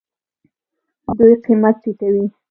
دوی قیمت ټیټوي.